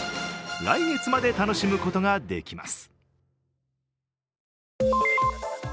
来月まで楽しむことができます。